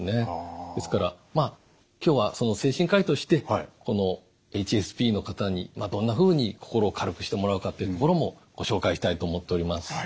ですから今日は精神科医としてこのＨＳＰの方にどんなふうに心を軽くしてもらうかっていうところもご紹介したいと思っております。